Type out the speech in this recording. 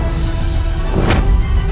apa maksudmu praharsini